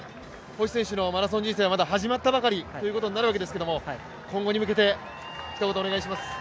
星選手のマラソン人生はまだまだ始まったばかりということになりますけども今後に向けてひと言、お願いします。